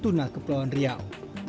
tuna kepulauan riau